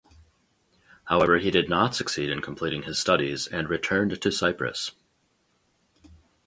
However, he did not succeed in completing his studies and returned to Cyprus.